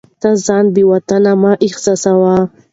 ته ځان بې وطنه مه احساسوه.